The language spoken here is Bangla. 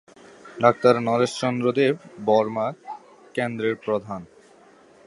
ডাক্তার নরেশ চন্দ্র দেব বর্মা কেন্দ্রের প্রধান।